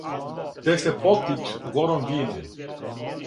Те се поклич гором вине,